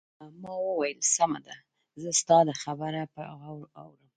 ما وویل: سمه ده، زه ستا دا خبره په غور اورم.